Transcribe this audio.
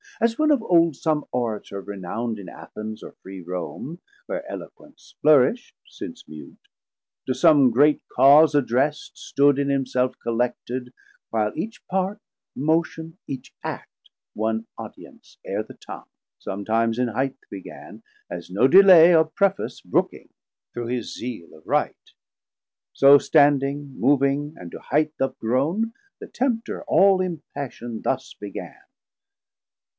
As when of old som Orator renound 670 In Athens or free Rome, where Eloquence Flourishd, since mute, to som great cause addrest, Stood in himself collected, while each part, Motion, each act won audience ere the tongue, Somtimes in highth began, as no delay Of Preface brooking through his Zeal of Right. So standing, moving, or to highth upgrown The Tempter all impassiond thus began.